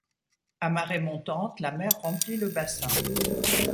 À marée montante, la mer remplit le bassin.